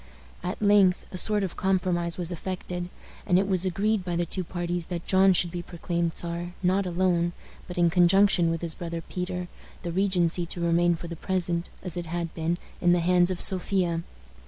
At length a sort of compromise was effected, and it was agreed by the two parties that John should be proclaimed Czar, not alone, but in conjunction with his brother Peter, the regency to remain for the present, as it had been, in the hands of Sophia.